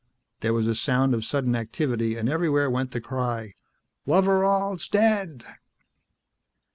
There was a sound of sudden activity, and everywhere went the cry, "Loveral's dead!"